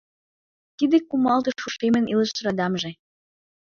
«Тиде – кумалтыш ушемын илыш радамже».